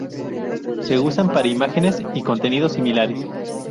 Se usan para imágenes y contenidos similares.